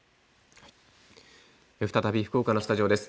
再び福岡のスタジオです。